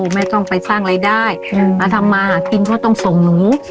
ไม่ต้องไปสร้างรายได้มาทำมาหากินเพราะต้องส่งหนู